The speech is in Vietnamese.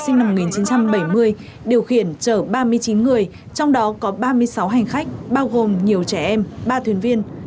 nguyễn tiểu khiển chở ba mươi chín người trong đó có ba mươi sáu hành khách bao gồm nhiều trẻ em ba thuyền viên